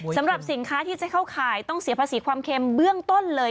สำหรับสินค้าที่จะเข้าข่ายต้องเสียภาษีความเค็มเบื้องต้นเลย